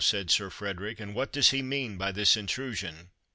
said Sir Frederick; "and what does he mean by this intrusion?"